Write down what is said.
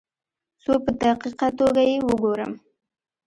څو په دقیقه توګه یې وګورم.